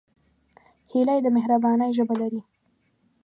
هیلۍ د مهربانۍ ژبه لري